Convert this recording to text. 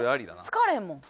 使われへんもん。